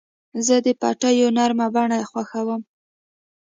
زه د پټیو نرمه بڼه خوښوم.